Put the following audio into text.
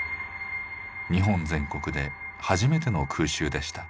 日本全国で初めての空襲でした。